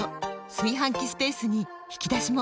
炊飯器スペースに引き出しも！